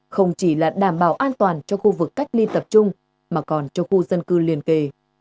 không chỉ là đảm bảo an toàn cho khu vực cách ly tập trung mà còn cho khu dân cư liền kề